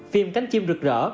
phim cánh chim rực rỡ